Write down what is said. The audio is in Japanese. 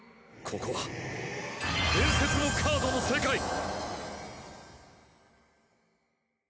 ここは伝説のカードの世界！